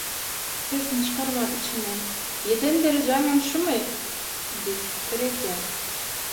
Sesini çykarman içinden “Ýeten derejäňem şumy?” diýip pikir edýär.